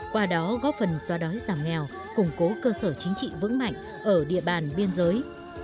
qua đó góp phần xóa đói giảm nghèo củng cố cơ sở chính trị vững mạnh ở địa bàn biên giới